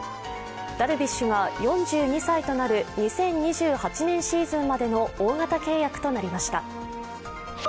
ダルビッシュが４２歳となる２０２８年シーズンまでの大型契約となりました。